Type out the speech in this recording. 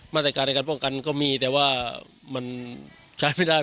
มาตรการในการป้องกันก็มีแต่ว่ามันใช้ไม่ได้